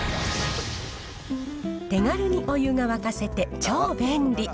手軽にお湯が沸かせて超便利。